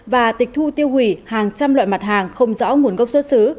và tịch thu tiêu hủy hàng trăm loại mặt hàng không rõ nguồn gốc xuất xứ